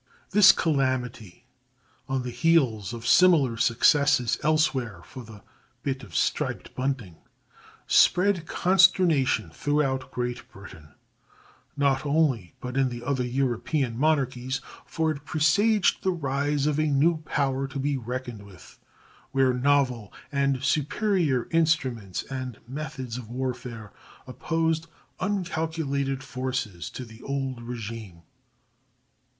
This calamity, on the heels of similar successes elsewhere for the "bit of striped bunting," spread consternation throughout Great Britain not only, but in the other European monarchies, for it presaged the rise of a new power to be reckoned with, where novel and superior instruments and methods of warfare opposed uncalculated forces to the old régime.